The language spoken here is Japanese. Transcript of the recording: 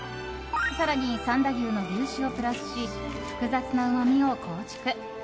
更に三田牛の牛脂をプラスし複雑なうまみを構築。